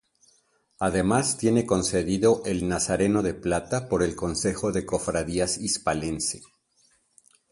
Además, tiene concedido el Nazareno de Plata, por el Consejo de Cofradías hispalense.